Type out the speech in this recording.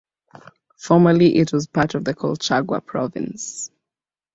Formerly it was part of the Colchagua Province.